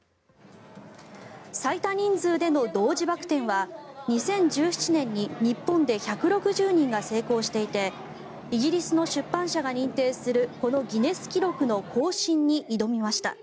最多人数での同時バック転は２０１７年に日本で１６０人が成功していてイギリスの出版社が認定するこのギネス記録の更新に挑みました。